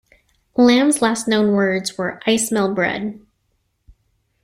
Lamb's last known words were I smell bread.